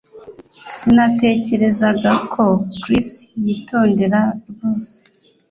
Sinatekerezaga ko Chris yitondera rwose